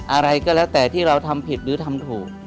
อะไรก็แล้วแต่ที่เราทำผิดหรือทำถูก